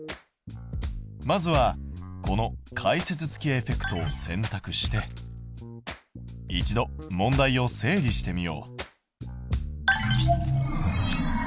まずはこの解説付きエフェクトを選択して一度問題を整理してみよう。